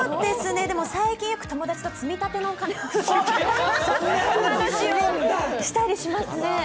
最近よく友達と積み立てのお金の話をしたりしますね。